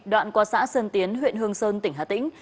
đoạn qua xã sơn tiến huyện hương sơn tỉnh hà tĩnh